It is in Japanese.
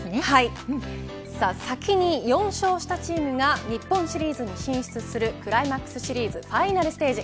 先に４勝したチームが日本シリーズに進出するクライマックスシリーズファイナルステージ。